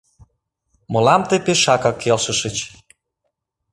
Мылам тый пешакак келшышыч.